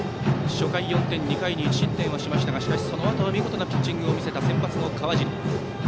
初回４点２回に１失点しましたがしかし、そのあとは見事なピッチングを見せた先発の川尻。